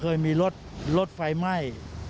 เคยมีรถรถไฟไหม้